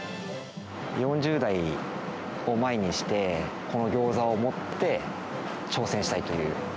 ４０代を前にして、このギョーザをもって、挑戦したいという。